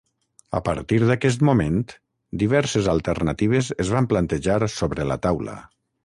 A partir d'aquest moment, diverses alternatives es van plantejar sobre la taula.